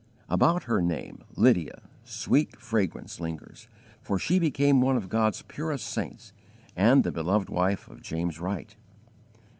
About her name, Lydia, sweet fragrance lingers, for she became one of God's purest saints and the beloved wife of James Wright.